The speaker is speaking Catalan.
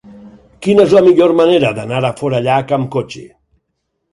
Quina és la millor manera d'anar a Forallac amb cotxe?